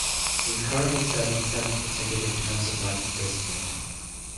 He is currently serving seven consecutive terms of life imprisonment.